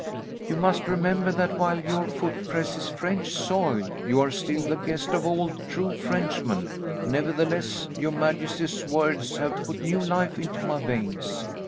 "You must remember that while your foot presses French soil, you are still the guest of all true Frenchmen, nevertheless your majesty's words have put new life into my veins.